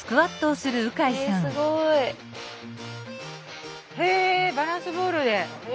すごい。へバランスボールで。